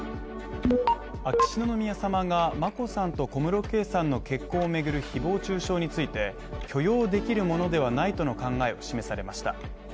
秋篠宮さまが眞子さんと小室圭さんの結婚をめぐる誹謗中傷について許容できるものではないとの考えを示されました。